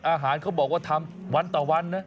เขาบอกว่าทำวันต่อวันนะ